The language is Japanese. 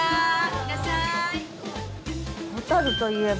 いらっしゃい。